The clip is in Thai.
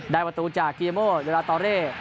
ประตูจากเกียโมเยลาตอเร่